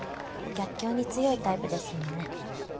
逆境に強いタイプですもんね。